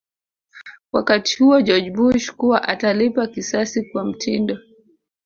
wakati huo George Bush kuwa atalipa kisasi kwa mtindo